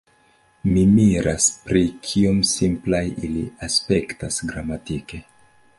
Mi miras pri kiom simplaj ili aspektas gramatike.